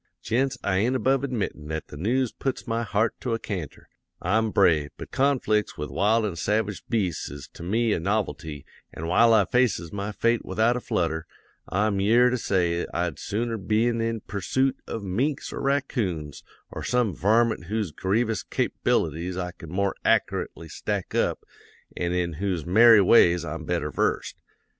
"'Gents, I ain't above admittin' that the news puts my heart to a canter. I'm brave; but conflicts with wild an' savage beasts is to me a novelty an' while I faces my fate without a flutter, I'm yere to say I'd sooner been in pursoot of minks or raccoons or some varmint whose grievous cap'bilities I can more ackerately stack up an' in whose merry ways I'm better versed.